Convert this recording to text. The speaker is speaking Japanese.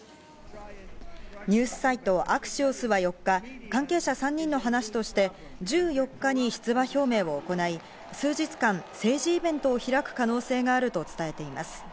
ニュースサイト、アクシオスは４日、関係者３人の話として１４日に出馬表明を行い、数日間、政治イベントを開く可能性があると伝えています。